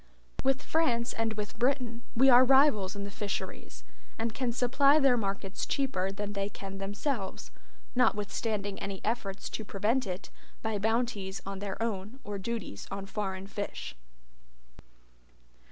With France and with Britain we are rivals in the fisheries, and can supply their markets cheaper than they can themselves, notwithstanding any efforts to prevent it by bounties on their own or duties on foreign fish.